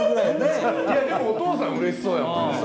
でもお父さんうれしそうやもん。